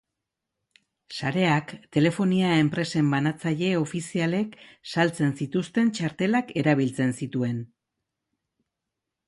Sareak telefonia enpresen banatzaile ofizialek saltzen zituzten txartelak erabiltzen zituen.